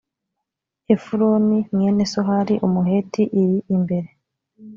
efuroni mwene sohari umuheti iri imbere